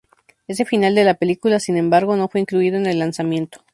Este final de la película, sin embargo, no fue incluido en el lanzamiento.